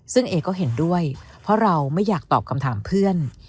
ซึ่งเอก็เห็นด้วยเพราะเราไม่อยากตอบคำถามเพื่อน